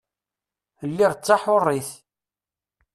Lliɣ d taḥurit.